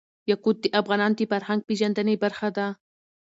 یاقوت د افغانانو د فرهنګ پیژندني برخه ده.